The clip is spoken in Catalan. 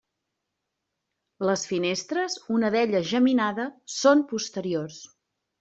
Les finestres, una d'elles geminada, són posteriors.